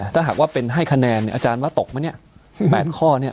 ถ้าหากว่าเป็นให้คะแนนเนี่ยอาจารย์ว่าตกไหมเนี่ย๘ข้อเนี่ย